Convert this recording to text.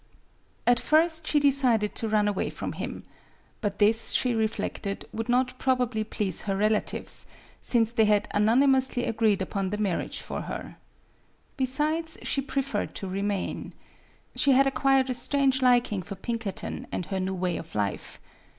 At first she decided to run away from him. But this, she reflected, would not probably please her relatives, since they had unanimously agreed upon the marriage for her. Besides, she preferred to remain. She had acquired a strange liking for Pinkerton and her new way of life.